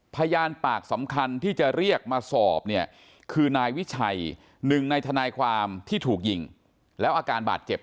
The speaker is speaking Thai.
พยานปากสำคัญที่จะเรียกมาสอบเนี่ยคือนายวิชัยหนึ่งในทนายความที่ถูกยิงแล้วอาการบาดเจ็บ